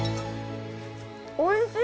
おいしい！